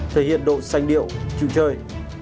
thể hiện độ xanh điệu chịu chơi